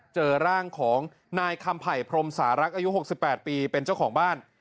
เจอร่างของนายคำไผ่พรมสารักอายุ๖๘ปีเป็นเจ้าของบ้าน